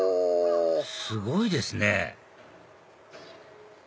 すごいですね